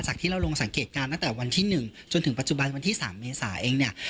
ที่เราลงสังเกตการณ์ตั้งแต่วันที่๑จนถึงปัจจุบันวันที่๓เมษาเองเนี่ย